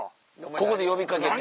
ここで呼びかけて。